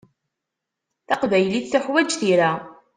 Taqbaylit tuḥwaǧ tira.